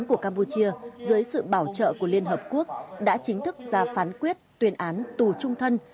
của campuchia dưới sự bảo trợ của liên hợp quốc đã chính thức ra phán quyết tuyên án tù trung thân